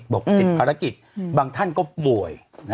บอกประกิจบางท่านก็บ่วย